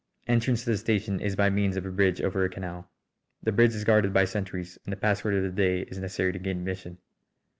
Entrance to the station is by means of a bridge over a canal. The bridge is guarded by sentries and the password of the day is necessary to gain admission.